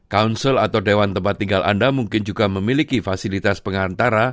konsel atau dewan tempat tinggal anda mungkin juga memiliki fasilitas pengantar